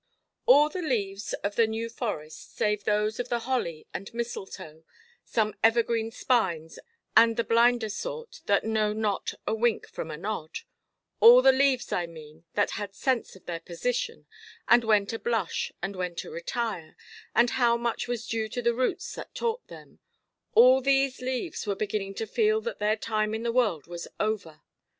All the leaves of the New Forest, save those of the holly and mistletoe, some evergreen spines, and the blinder sort, that know not a wink from a nod—all the leaves, I mean, that had sense of their position, and when to blush and when to retire, and how much was due to the roots that taught them—all these leaves were beginning to feel that their time in the world was over.